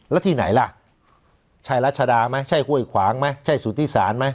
แล้วที่ไหนล่ะชายรัชดาไหมชายห้วยขวางไหมชายสุธิศาสตร์ไหม